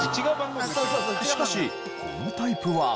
しかしこのタイプは。